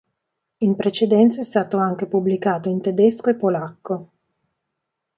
In precedenza è stato anche pubblicato in tedesco e polacco.